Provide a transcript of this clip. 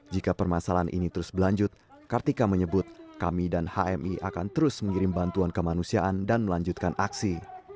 jika permasalahan ini terus berlanjut kartika menyebut kami dan hmi akan terus mengirim bantuan kemanusiaan dan melanjutkan aksi